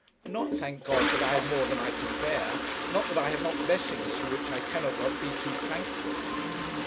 Not, thank God, that I have more than I can bear; not that I have not blessings for which I cannot but be too thankful.'